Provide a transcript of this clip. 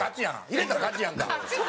入れたら勝ちやんか。